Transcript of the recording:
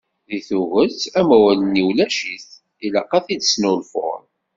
Deg tuget, amawal-nni ulac-it, ilaq ad t-id-tesnulfuḍ.